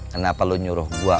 kenapa lo nyuruh gue